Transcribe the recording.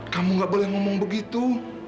kamu gak boleh ngomong begitu